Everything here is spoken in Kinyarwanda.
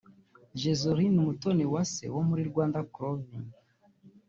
Joselyne Umutoniwase wo muri Rwanda Clothing